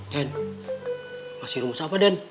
den kasih rumus apa den